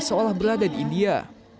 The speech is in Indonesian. seolah berada di india